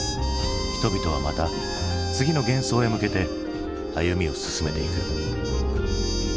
人々はまた次の幻想へ向けて歩みを進めていく。